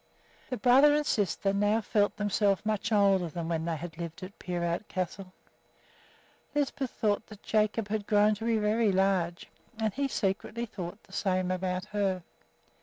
The brother and sister now felt themselves much older than when they had lived at Peerout Castle. Lisbeth thought that Jacob had grown to be very large, and he secretly thought the same about her.